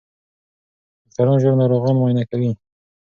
ډاکټران ژر ناروغان معاینه کوي.